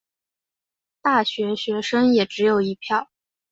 大学学生也只有一票